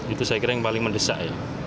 itu saya kira yang paling mendesak ya